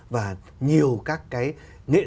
và nhiều các cái